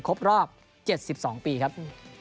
ครบรอบ๗๒ปีครับ